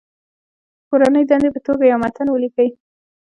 د کورنۍ دندې په توګه یو متن ولیکئ.